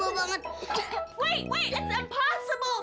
tunggu tunggu itu tidak mungkin